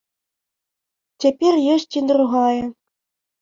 Цяпер ёсць і другая.